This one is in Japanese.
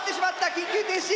緊急停止！